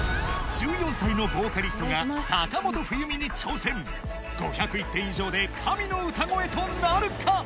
１４歳のボーカリストが５０１点以上で神の歌声となるか？